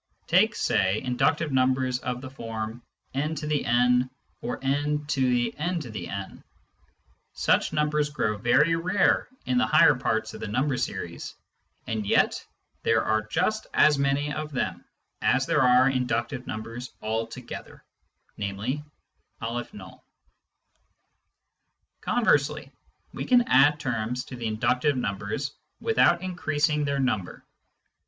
Take (say) inductive numbers of the form n n , or «"''. Such numbers grow very rare in the higher parts of the number series, and yet there are just as many of them as there are inductive numbers altogether, namely, N . Conversely, we can add terms to the inductive numbers without increasing their number.